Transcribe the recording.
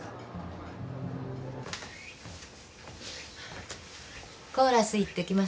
あっコーラスいってきます。